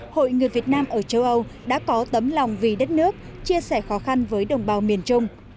hội người việt nam ở châu âu đã có tấm lòng vì đất nước chia sẻ khó khăn với đồng bào miền trung